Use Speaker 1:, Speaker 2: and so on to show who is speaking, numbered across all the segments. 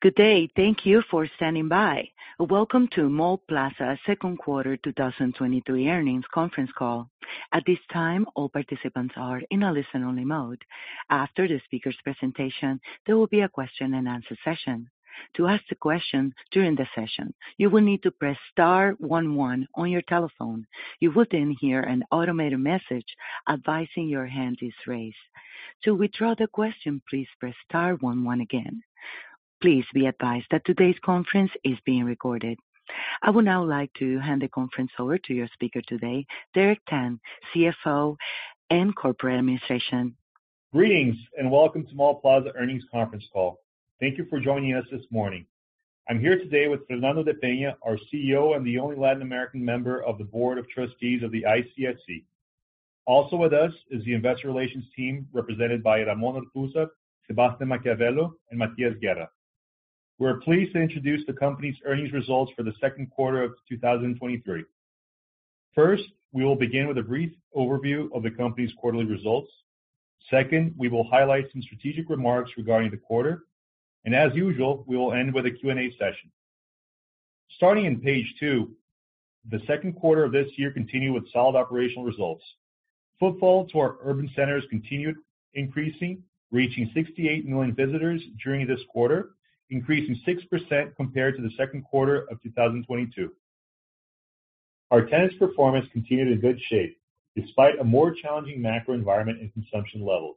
Speaker 1: Good day, thank you for standing by. Welcome to Mallplaza Second Quarter 2023 Earnings Conference Call. At this time, all participants are in a listen-only mode. After the speaker's presentation, there will be a question-and-answer session. To ask a question during the session, you will need to press star one one on your telephone. You will then hear an automated message advising your hand is raised. To withdraw the question, please press star one one again. Please be advised that today's conference is being recorded. I would now like to hand the conference over to your speaker today, Derek Tang, CFO and Corporate Administration.
Speaker 2: Greetings and welcome to Mallplaza Earnings Conference Call. Thank you for joining us this morning. I'm here today with Fernando de Peña, our CEO and the only Latin American member of the Board of Trustees of the ICSC. Also with us is the Investor Relations team represented by Ramón Artuza, Sebastián Macchiavello, and Matías Guerra. We're pleased to introduce the company's earnings results for the second quarter of 2023. First, we will begin with a brief overview of the company's quarterly results. Second, we will highlight some strategic remarks regarding the quarter. As usual, we will end with a Q&A session. Starting in page two, the second quarter of this year continued with solid operational results. Footfall to our urban centers continued increasing, reaching 68 million visitors during this quarter, increasing 6% compared to the second quarter of 2022. Our tenants' performance continued in good shape despite a more challenging macro environment and consumption levels.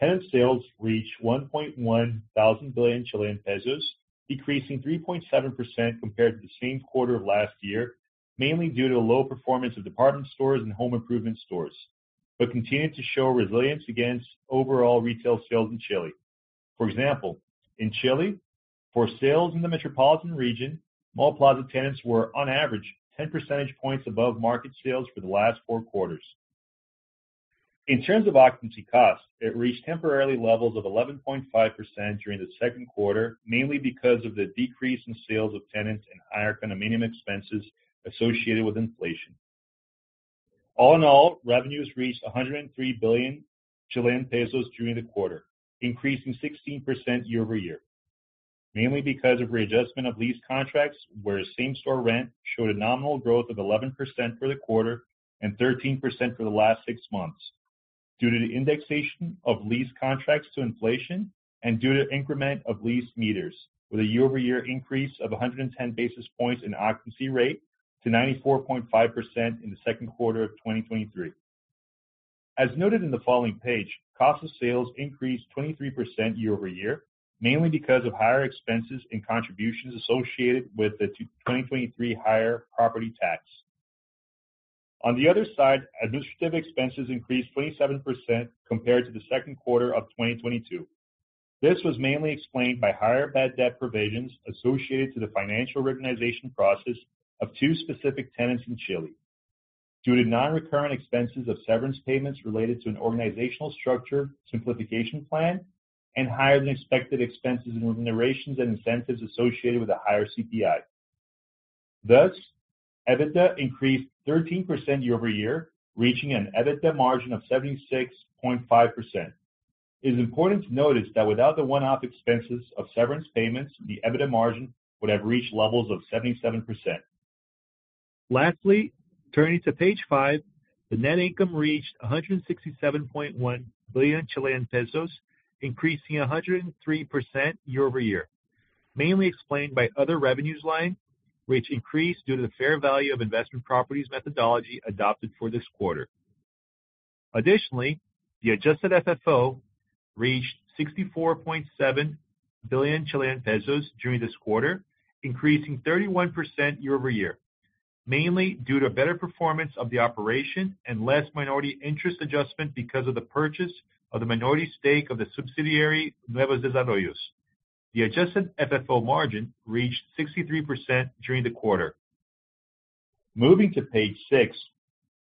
Speaker 2: Tenant sales reached 1.1 trillion Chilean pesos, decreasing 3.7% compared to the same quarter of last year, mainly due to low performance of department stores and home improvement stores, but continued to show resilience against overall retail sales in Chile. For example, in Chile, for sales in the metropolitan region, Mallplaza tenants were on average 10 percentage points above market sales for the last four quarters. In terms of occupancy costs, it reached temporary levels of 11.5% during the second quarter, mainly because of the decrease in sales of tenants and higher condominium expenses associated with inflation. All in all, revenues reached 103 billion Chilean pesos during the quarter, increasing 16% year-over-year, mainly because of readjustment of lease contracts where same-store rent showed a nominal growth of 11% for the quarter and 13% for the last six months due to the indexation of lease contracts to inflation and due to increment of lease meters, with a year-over-year increase of 110 basis points in occupancy rate to 94.5% in the second quarter of 2023. As noted in the following page, cost of sales increased 23% year-over-year, mainly because of higher expenses and contributions associated with the 2023 higher property tax. On the other side, administrative expenses increased 27% compared to the second quarter of 2022. This was mainly explained by higher bad debt provisions associated to the financial recognization process of two specific tenants in Chile due to non-recurrent expenses of severance payments related to an organizational structure simplification plan and higher than expected expenses and remunerations and incentives associated with a higher CPI. Thus, EBITDA increased 13% year-over-year, reaching an EBITDA margin of 76.5%. It is important to notice that without the one-off expenses of severance payments, the EBITDA margin would have reached levels of 77%. Lastly, turning to page five, the net income reached 167.1 billion Chilean pesos, increasing 103% year-over-year, mainly explained by other revenues line, which increased due to the fair value of investment properties methodology adopted for this quarter. Additionally, the adjusted FFO reached 64.7 billion Chilean pesos during this quarter, increasing 31% year-over-year, mainly due to better performance of the operation and less minority interest adjustment because of the purchase of the minority stake of the subsidiary Nuevos Desarrollos. The adjusted FFO margin reached 63% during the quarter. Moving to page six,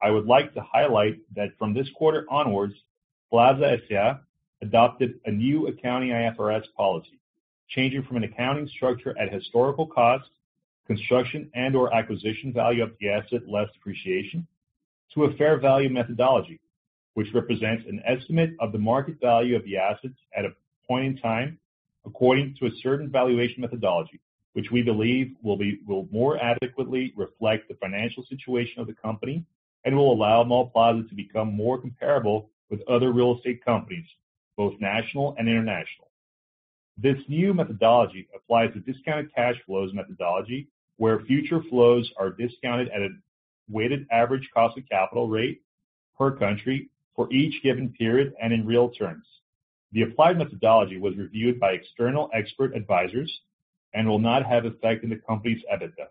Speaker 2: I would like to highlight that from this quarter onwards, Plaza S.A. adopted a new accounting IFRS policy, changing from an accounting structure at historical cost, construction and/or acquisition value of the asset less depreciation, to a fair value methodology, which represents an estimate of the market value of the assets at a point in time according to a certain valuation methodology, which we believe will more adequately reflect the financial situation of the company and will allow Mallplaza to become more comparable with other real estate companies, both national and international. This new methodology applies to discounted cash flows methodology, where future flows are discounted at a weighted average cost of capital rate per country for each given period and in real terms. The applied methodology was reviewed by external expert advisors and will not have effect in the company's EBITDA.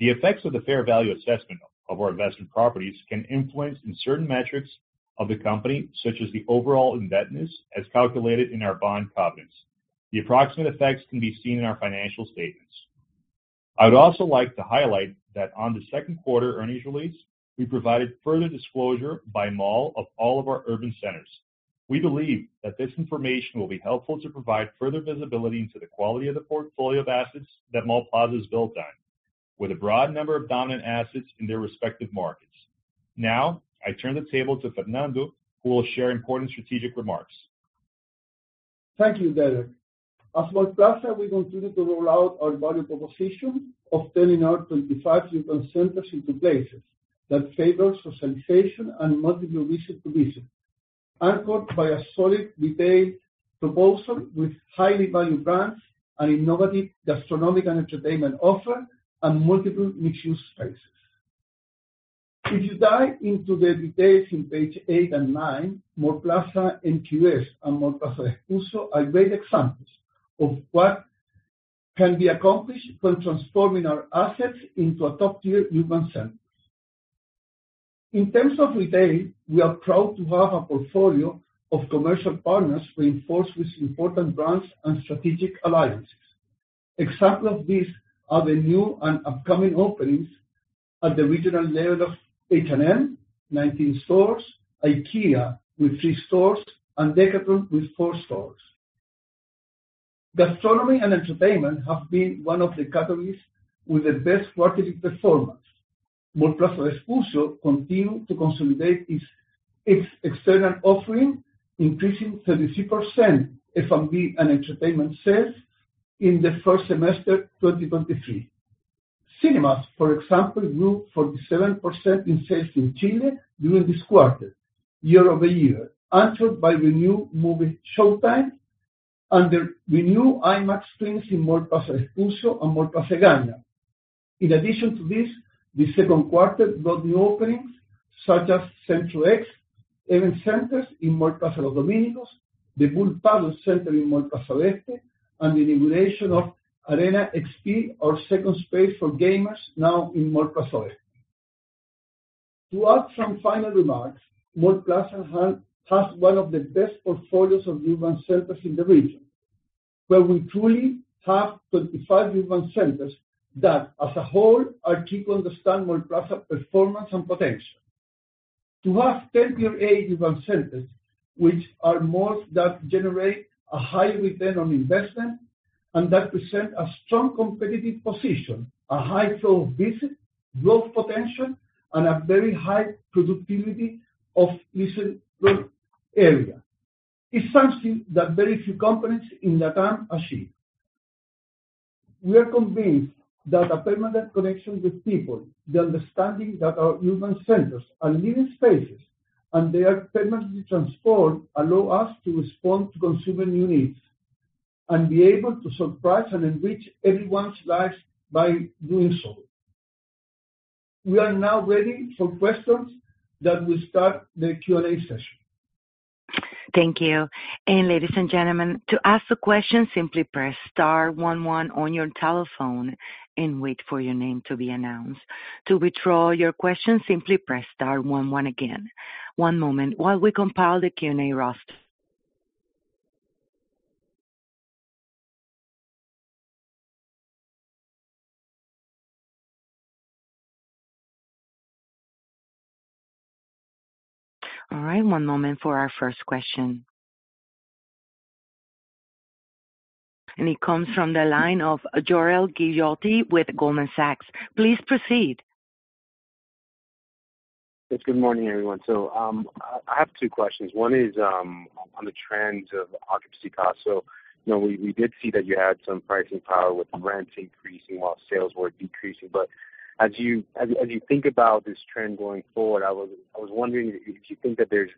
Speaker 2: The effects of the fair value assessment of our investment properties can influence certain metrics of the company, such as the overall indebtedness as calculated in our bond covenants. The approximate effects can be seen in our financial statements. I would also like to highlight that on the second quarter earnings release, we provided further disclosure by Mallplaza of all of our urban centers. We believe that this information will be helpful to provide further visibility into the quality of the portfolio of assets that Mallplaza is built on, with a broad number of dominant assets in their respective markets. Now, I turn the table to Fernando, who will share important strategic remarks.
Speaker 3: Thank you, Derek. As Mallplaza, we continue to roll out our value proposition of turning our 25 urban centers into places that favor socialization and multiple visit to visit, anchored by a solid, detailed proposal with highly valued brands, an innovative gastronomic and entertainment offer, and multiple mixed-use spaces. If you dive into the details in page eight and nine, Mallplaza NQS and Mallplaza Vespucio are great examples of what can be accomplished when transforming our assets into a top-tier urban center. In terms of retail, we are proud to have a portfolio of commercial partners reinforced with important brands and strategic alliances. Examples of these are the new and upcoming openings at the regional level of H&M, 19 stores, IKEA with three stores, and Decathlon with four stores. Gastronomy and entertainment have been one of the categories with the best quarterly performance. Mallplaza continues to consolidate its external offering, increasing 33% F&B and entertainment sales in the first semester 2023. Cinemas, for example, grew 47% in sales in Chile during this quarter, year-over-year, answered by renewed movie showtimes and the renewed IMAX screens in Mallplaza Vespucio and Mallplaza Egaña. In addition to this, the second quarter brought new openings such as Centro X Event Centers in Mallplaza Los Domínicos, the Bullpadel Center in Mallplaza Oeste, and the inauguration of Arena XP, our second space for gamers now in Mallplaza Oeste. To add some final remarks, Mallplaza has one of the best portfolios of urban centers in the region, where we truly have 25 urban centers that, as a whole, are key to understand Mallplaza's performance and potential. To have 10-year-old urban centers, which are malls that generate a high return on investment and that present a strong competitive position, a high flow of visits, growth potential, and a very high productivity of residential area, is something that very few companies in Latin America achieve. We are convinced that a permanent connection with people, the understanding that our urban centers are living spaces and they are permanently transformed, allow us to respond to consumer new needs and be able to surprise and enrich everyone's lives by doing so. We are now ready for questions that will start the Q&A session.
Speaker 1: Thank you. Ladies and gentlemen, to ask a question, simply press star one one on your telephone and wait for your name to be announced. To withdraw your question, simply press star one one again. One moment while we compile the Q&A roster. All right, one moment for our first question. It comes from the line of Jorel Guilloty with Goldman Sachs. Please proceed.
Speaker 4: Good morning, everyone. I have two questions. One is on the trends of occupancy costs. We did see that you had some pricing power with rents increasing while sales were decreasing. As you think about this trend going forward, I was wondering if you think that there's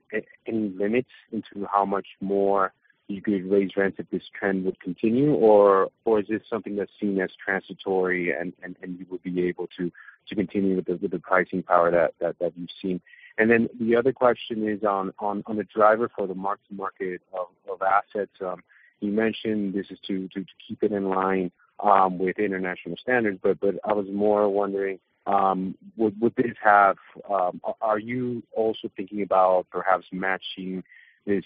Speaker 4: any limits into how much more you could raise rents if this trend would continue, or is this something that's seen as transitory and you would be able to continue with the pricing power that you've seen? The other question is on the driver for the market of assets. You mentioned this is to keep it in line with international standards, but I was more wondering, would this have—are you also thinking about perhaps matching this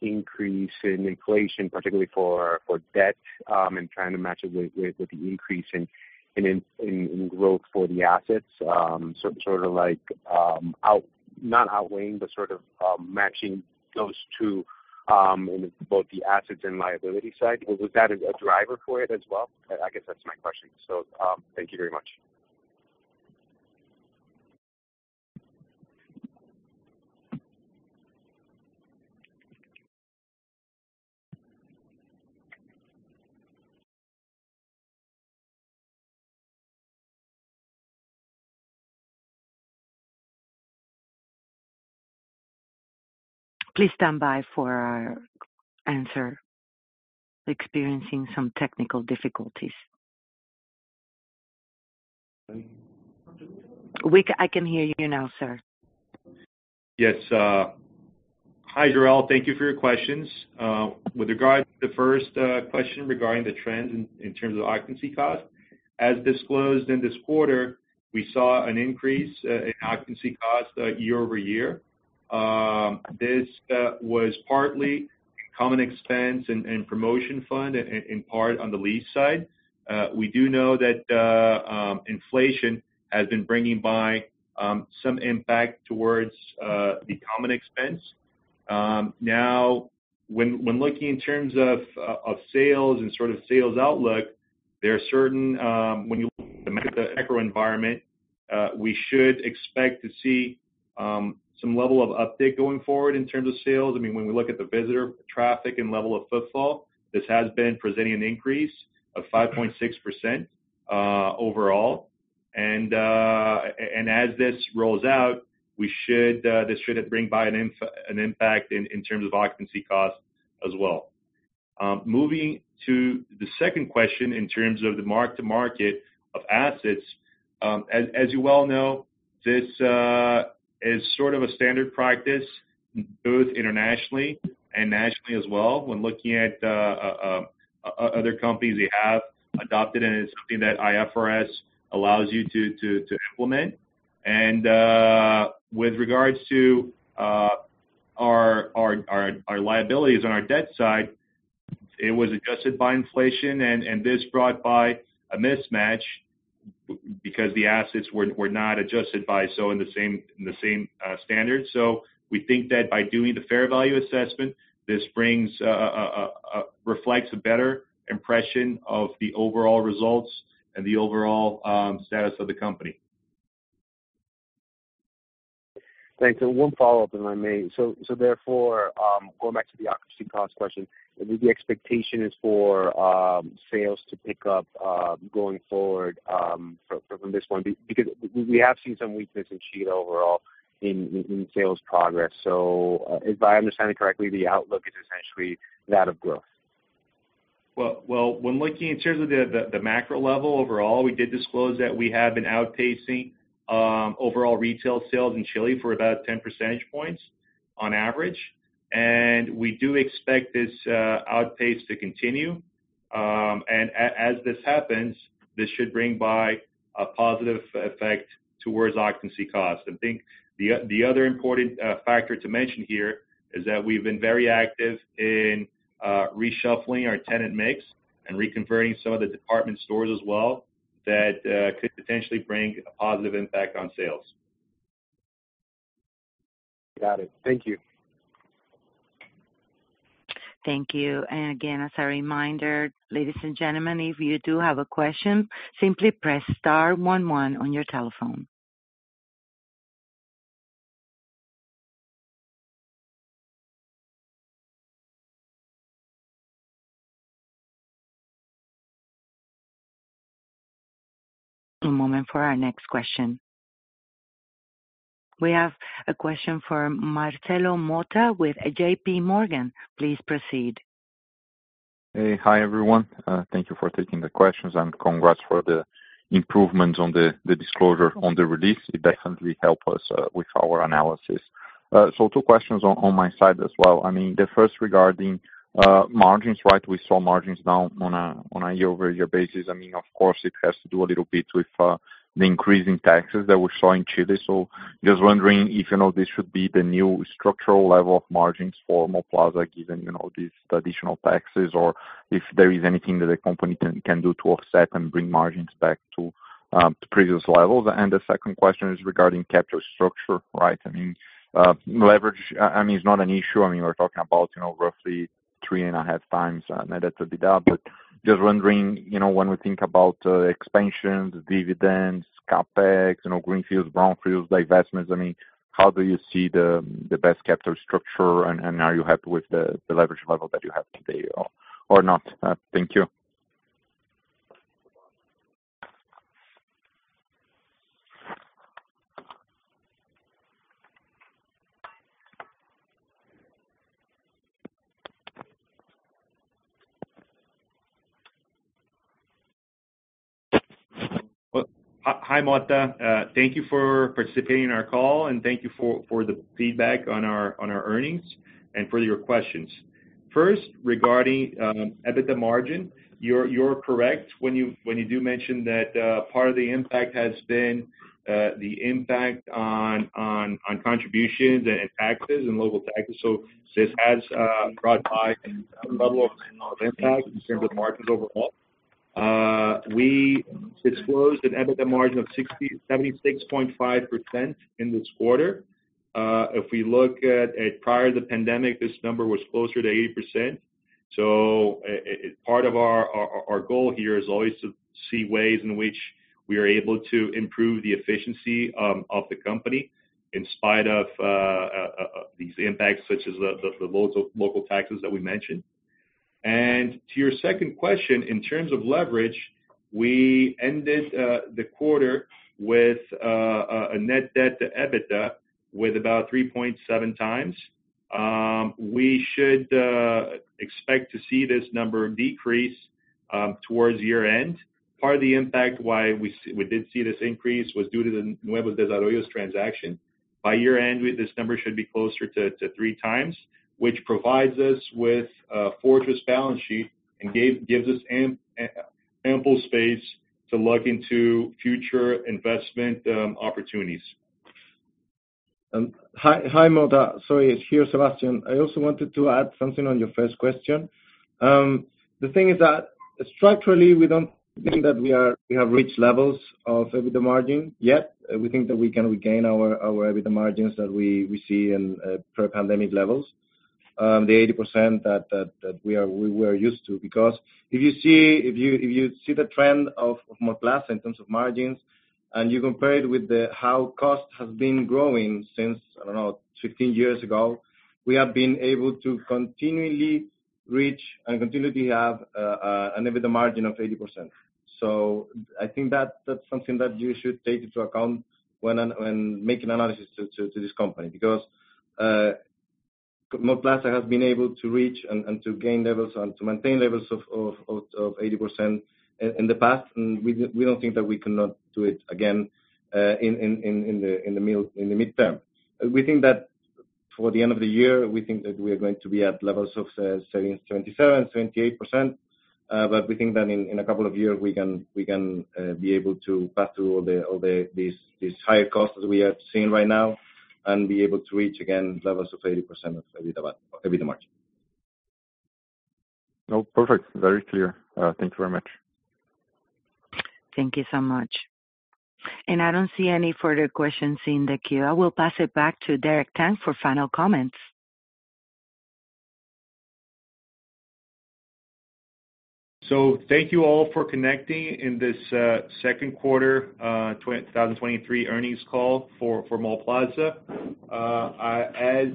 Speaker 4: increase in inflation, particularly for debt, and trying to match it with the increase in growth for the assets, sort of like not outweighing, but sort of matching those two in both the assets and liability side? Was that a driver for it as well? I guess that's my question. Thank you very much.
Speaker 1: Please stand by for our answer. Experiencing some technical difficulties. Wait, I can hear you now, sir.
Speaker 2: Yes. Hi, Jorel. Thank you for your questions. With regard to the first question regarding the trends in terms of occupancy costs, as disclosed in this quarter, we saw an increase in occupancy costs year-over-year. This was partly a common expense and promotion fund in part on the lease side. We do know that inflation has been bringing by some impact towards the common expense. Now, when looking in terms of sales and sort of sales outlook, there are certain—when you look at the macro environment, we should expect to see some level of update going forward in terms of sales. I mean, when we look at the visitor traffic and level of footfall, this has been presenting an increase of 5.6% overall. As this rolls out, this should bring by an impact in terms of occupancy costs as well. Moving to the second question in terms of the mark-to-market of assets, as you well know, this is sort of a standard practice both internationally and nationally as well when looking at other companies that have adopted it, and it is something that IFRS allows you to implement. With regards to our liabilities on our debt side, it was adjusted by inflation, and this brought by a mismatch because the assets were not adjusted by so in the same standard. We think that by doing the fair value assessment, this reflects a better impression of the overall results and the overall status of the company.
Speaker 4: Thanks. One follow-up, if I may. Therefore, going back to the occupancy cost question, the expectation is for sales to pick up going forward from this one because we have seen some weakness in Chile overall in sales progress. If I understand it correctly, the outlook is essentially that of growth.
Speaker 2: When looking in terms of the macro level overall, we did disclose that we have been outpacing overall retail sales in Chile for about 10 percentage points on average. We do expect this outpaced to continue. As this happens, this should bring by a positive effect towards occupancy costs. I think the other important factor to mention here is that we've been very active in reshuffling our tenant mix and reconverting some of the department stores as well that could potentially bring a positive impact on sales.
Speaker 4: Got it. Thank you.
Speaker 1: Thank you. As a reminder, ladies and gentlemen, if you do have a question, simply press star one one on your telephone. One moment for our next question. We have a question for Marcelo Motta with JPMorgan. Please proceed.
Speaker 5: Hey, hi everyone. Thank you for taking the questions and congrats for the improvements on the disclosure on the release. It definitely helped us with our analysis. Two questions on my side as well. I mean, the first regarding margins, right? We saw margins down on a year-over-year basis. I mean, of course, it has to do a little bit with the increase in taxes that we saw in Chile. Just wondering if this should be the new structural level of margins for Mallplaza given these additional taxes or if there is anything that the company can do to offset and bring margins back to previous levels. The second question is regarding capital structure, right? I mean, leverage, I mean, it's not an issue. I mean, we're talking about roughly three and a half times net at the day, but just wondering when we think about expansions, dividends, CapEx, greenfields, brownfields, divestments, I mean, how do you see the best capital structure and are you happy with the leverage level that you have today or not? Thank you.
Speaker 2: Hi, Motta. Thank you for participating in our call and thank you for the feedback on our earnings and for your questions. First, regarding EBITDA margin, you're correct when you do mention that part of the impact has been the impact on contributions and taxes and local taxes. This has brought a level of impact in terms of margins overall. We disclosed an EBITDA margin of 76.5% in this quarter. If we look at prior to the pandemic, this number was closer to 80%. Part of our goal here is always to see ways in which we are able to improve the efficiency of the company in spite of these impacts such as the local taxes that we mentioned. To your second question, in terms of leverage, we ended the quarter with a net debt to EBITDA with about 3.7 times. We should expect to see this number decrease towards year-end. Part of the impact why we did see this increase was due to the Nuevos Desarrollos transaction. By year-end, this number should be closer to 3 times, which provides us with a fortress balance sheet and gives us ample space to look into future investment opportunities.
Speaker 6: Hi, Motta. Sorry, it's here, Sebastián. I also wanted to add something on your first question. The thing is that structurally, we don't think that we have reached levels of EBITDA margin yet. We think that we can regain our EBITDA margins that we see in pre-pandemic levels, the 80% that we were used to. Because if you see the trend of Mallplaza in terms of margins and you compare it with how cost has been growing since, I don't know, 15 years ago, we have been able to continually reach and continue to have an EBITDA margin of 80%. I think that's something that you should take into account when making analysis to this company because Mallplaza has been able to reach and to gain levels and to maintain levels of 80% in the past, and we don't think that we cannot do it again in the midterm. We think that for the end of the year, we think that we are going to be at levels of 77-78%, but we think that in a couple of years, we can be able to pass through all these higher costs that we are seeing right now and be able to reach again levels of 80% of EBITDA margin.
Speaker 5: No, perfect. Very clear. Thank you very much.
Speaker 1: Thank you so much. I do not see any further questions in the queue. I will pass it back to Derek Tang for final comments.
Speaker 2: Thank you all for connecting in this Second Quarter 2023 Earnings Call for Mallplaza.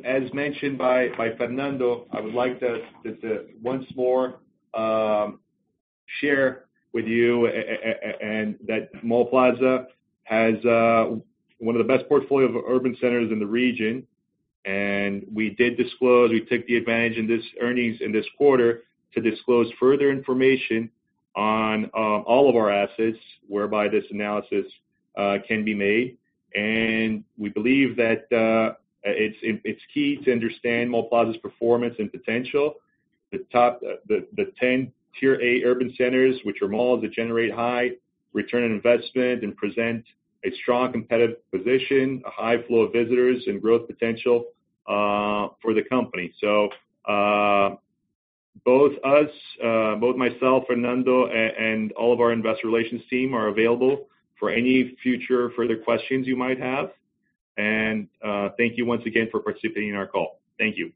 Speaker 2: As mentioned by Fernando, I would like to once more share with you that Mallplaza has one of the best portfolios of urban centers in the region. We did disclose, we took the advantage in this earnings in this quarter to disclose further information on all of our assets whereby this analysis can be made. We believe that it is key to understand Mallplaza's performance and potential. The top 10 tier A urban centers, which are malls that generate high return on investment and present a strong competitive position, a high flow of visitors, and growth potential for the company. Both myself, Fernando, and all of our investor relations team are available for any future further questions you might have. Thank you once again for participating in our call. Thank you.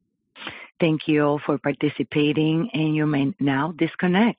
Speaker 1: Thank you all for participating, and you may now disconnect.